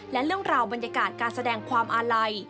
และเรื่องราวบรรยากาศการแสดงความอาลัย